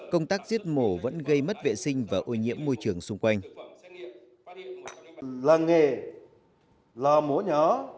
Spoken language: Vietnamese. công tác giết mổ vẫn gây mất vệ sinh và ô nhiễm môi trường xung quanh